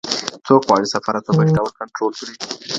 څوک غواړي سفارت په بشپړ ډول کنټرول کړي؟